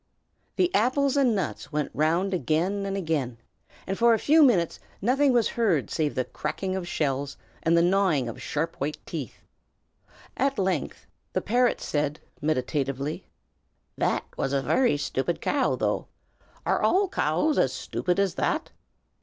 THE apples and nuts went round again and again, and for a few minutes nothing was heard save the cracking of shells and the gnawing of sharp white teeth. At length the parrot said, meditatively: "That was a very stupid cow, though! Are all cows as stupid as that?"